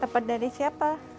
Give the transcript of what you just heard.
dapat dari siapa